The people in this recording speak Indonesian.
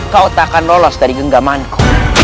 kau tak akan lolos dari genggamanku